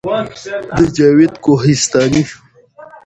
د جاوید کوهستاني